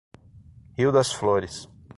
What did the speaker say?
Rio das Flores